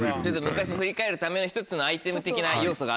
昔振り返るための１つのアイテム的な要素がある。